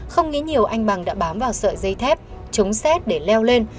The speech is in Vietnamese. không nghĩ nhiều anh bằng đã bám vào sợi dây thép chống xét để leo lên